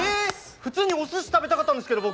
普通におすし食べたかったんですけど僕。